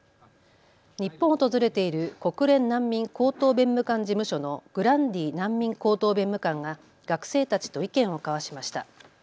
日本を訪れている国連難民高等弁務官事務所のグランディ難民高等弁務官が学生たちと意見を交わしました。